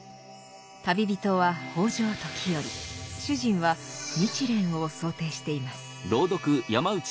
旅人は北条時頼主人は日蓮を想定しています。